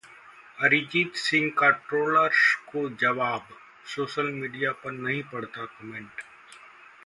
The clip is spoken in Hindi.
अरिजीत सिंह का ट्रोलर्स को जवाब- सोशल मीडिया पर नहीं पढ़ता कमेंट